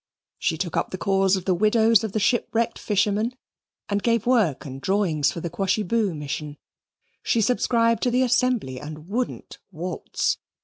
She took up the cause of the widows of the shipwrecked fishermen, and gave work and drawings for the Quashyboo Mission; she subscribed to the Assembly and WOULDN'T waltz.